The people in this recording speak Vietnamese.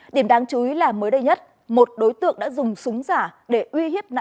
điểm đáng chú ý là mới đây nhất một đối tượng đã dùng súng giả để uy hiếp nạn nhân